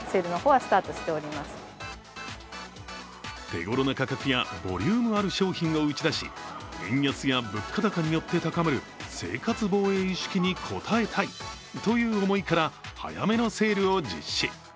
手ごろな価格やボリュームある商品を打ち出し円安や物価高によって高まる生活防衛意識に応えたいという思いから早めのセールを実施。